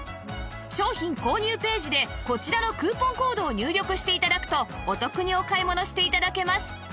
商品購入ページでこちらのクーポンコードを入力して頂くとお得にお買い物して頂けます